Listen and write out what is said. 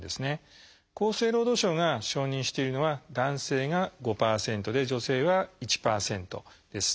厚生労働省が承認しているのは男性が５％で女性は１％です。